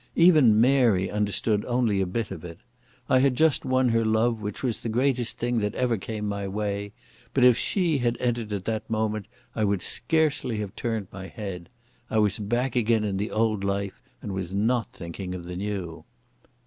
Even Mary understood only a bit of it. I had just won her love, which was the greatest thing that ever came my way, but if she had entered at that moment I would scarcely have turned my head. I was back again in the old life and was not thinking of the new.